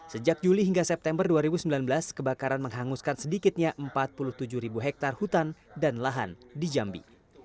sejak juli hingga september dua ribu sembilan belas kebakaran menghanguskan sedikitnya empat puluh tujuh ribu hektare hutan dan lahan di jambi